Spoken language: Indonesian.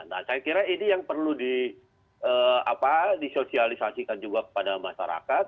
nah saya kira ini yang perlu disosialisasikan juga kepada masyarakat